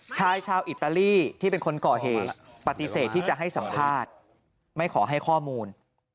ชายชาวอิตาลีที่เป็นคนก่อเหตุปฏิเสธที่จะให้สัมภาษณ์ไม่ขอให้ข้อมูล